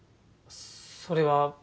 それは。